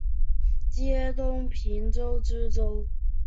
授东平州知州。